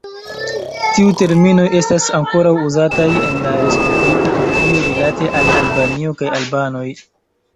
Tiuj terminoj estas ankoraŭ uzataj en la Respubliko Turkio rilate al Albanio kaj albanoj.